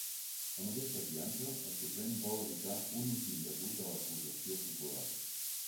Amb aquesta fiança, el Suprem vol evitar un ús indegut de l’acusació popular.